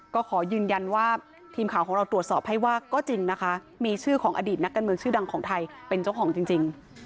ก็ขอยืนยันว่าทีมข่าวของเราตรวจสอบให้ว่าก็จริงนะคะมีชื่อของอดีตนักการเมืองชื่อดังของไทยเป็นเจ้าของจริง